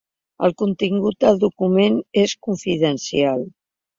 El contingut del document és confidencial.